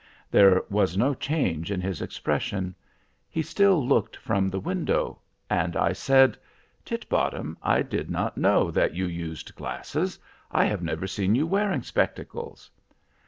There was no change in his expression. He still looked from the window, and I said: "Titbottom, I did not know that you used glasses. I have never seen you wearing spectacles."